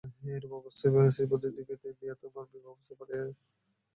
এইরূপ অবস্থায় শ্রীপতিকে দিয়া তোমাকে বিবাহের প্রস্তাব পাঠাই।